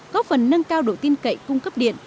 góp phần nâng cao độ tin cậy cung cấp điện